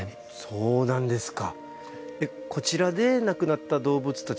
そうなんですか。